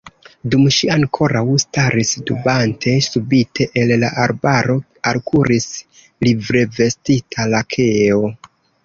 Dum ŝi ankoraŭ staris dubante, subite el la arbaro alkuris livrevestita lakeo